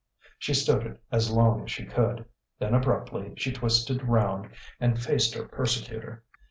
She stood it as long as she could. Then abruptly she twisted round and faced her persecutor.